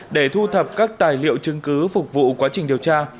để thu thập các tài liệu chứng cứ phục vụ quá trình điều tra